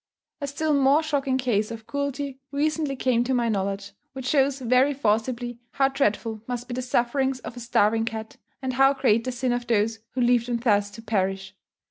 A still more shocking case of cruelty recently came to my knowledge, which shows very forcibly how dreadful must be the sufferings of a starving cat, and how great the sin of those who leave them thus to perish.